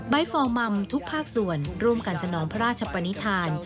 ฟอร์มัมทุกภาคส่วนร่วมกันสนองพระราชปนิษฐาน